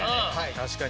確かに。